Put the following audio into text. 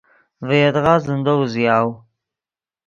ڤے یدغا زندو اوزیاؤ.